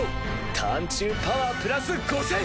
ターン中パワープラス５０００！